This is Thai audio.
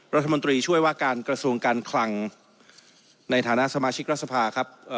รัฐมนตรีช่วยว่าการกระทรวงการคลังในฐานะสมาชิกรัฐสภาครับ